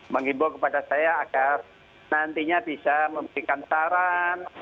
menghimbau kepada saya agar nantinya bisa memberikan saran